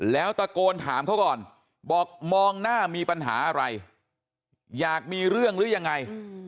แล้วตะโกนถามเขาก่อนบอกมองหน้ามีปัญหาอะไรอยากมีเรื่องหรือยังไง